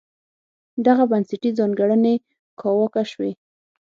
دغه بنسټي ځانګړنې کاواکه شوې.